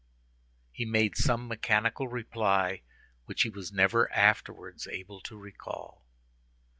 He made some mechanical reply which he was never afterwards able to recall.